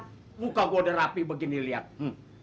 dan muka kamu sudah rapi seperti ini